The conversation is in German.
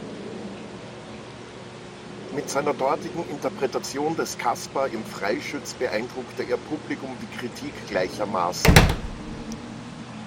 Mit seiner dortigen Interpretation des Kaspar im "Freischütz" beeindruckte er Publikum wie Kritik gleichermaßen.